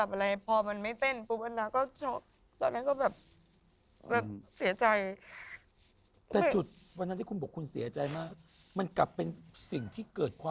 กกว่าก็จะตอนนั้นก็แบบเสียใจแล้วค่ะ